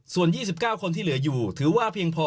ส่วน๒๙คนที่เหลืออยู่ถือว่าเพียงพอ